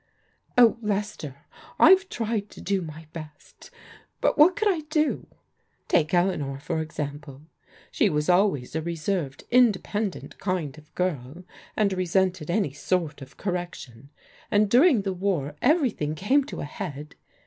*' Oh, Lester, I've tried to do my best, but what could I do? Take Eleanor, for example. She was always a reserved, independent kind of girl, and resented any sort of correction, and during the war everything came to a head.